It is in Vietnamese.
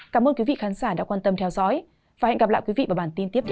cảm ơn quý vị khán giả đã quan tâm theo dõi và hẹn gặp lại quý vị vào bản tin tiếp theo